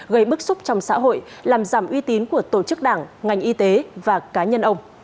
gây bức xúc trong xã hội làm giảm uy tín của tổ chức đảng ngành y tế và cá nhân ông